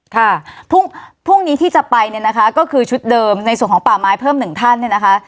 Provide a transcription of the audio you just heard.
ค่ะพรุ่งนี้ที่จะไปเนี่ยนะคะก็คือชุดเดิมในส่วนของป่าไม้เพิ่มหนึ่งท่านเนี่ยนะคะ